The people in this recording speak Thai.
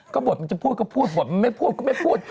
ก็บทมันจะพูดก็พูดบทมันไม่พูดก็ไม่พูด